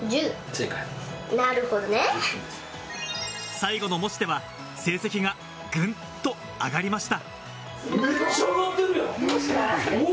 最後の模試では、成績が、ぐんと上がりました。